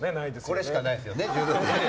これしかないですよね。